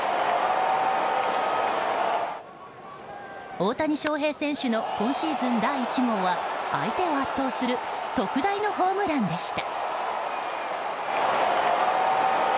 大谷翔平選手の今シーズン第１号は相手を圧倒する特大のホームランでした。